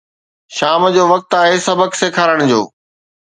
شام جو وقت آهي سبق سيکارڻ جو